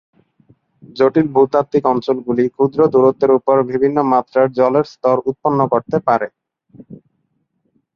জটিল ভূতাত্ত্বিক অঞ্চলগুলি ক্ষুদ্র দূরত্বের উপর বিভিন্ন মাত্রার জলের স্তর উৎপন্ন করতে পারে।